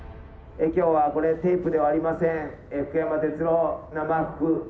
きょうはこれ、テープではありません。